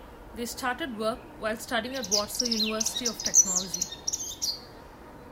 They started work while studying at Warsaw University of Technology.